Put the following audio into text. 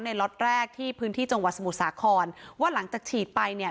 ล็อตแรกที่พื้นที่จังหวัดสมุทรสาครว่าหลังจากฉีดไปเนี่ย